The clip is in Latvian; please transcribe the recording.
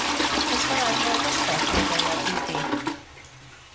Es varētu vēl paspēt pēdējā brīdī.